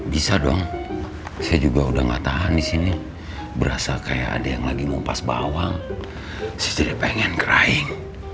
bisa dong saya juga udah gak tahan di sini berasa kayak ada yang lagi ngupas bawang saya tidak pengen keraing